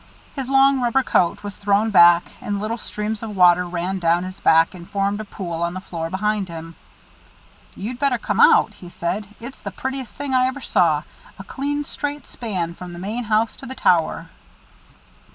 His long rubber coat was thrown back, and little streams of water ran down his back and formed a pool on the floor behind him. "You'd better come out," he said. "It's the prettiest thing I ever saw a clean straight span from the main house to the tower."